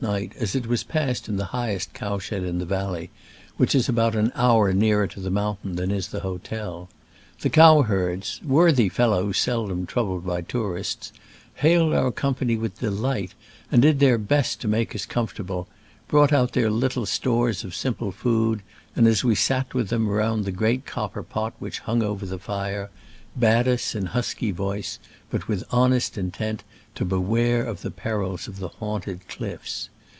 night, as it was passed in the highest cow shed in the valley, which is about an hour nearer to the mountain than is the hotel. The cowherds, worthy fel lows seldom troubled by tourists, hailed our company with delight, and did their best to make us comfortable, brought out their little stores of simple food, and, as we sat with them round the great copper pot which hung over the fire, bade us in husky voice, but with honest intent, to beware of the perils of the haunted clitfs.